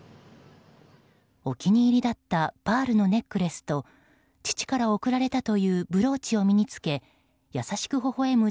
お気に入りだったパールのネックレスと父から贈られたというブローチを身に着け優しくほほ笑む